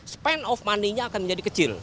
span of money nya akan menjadi kecil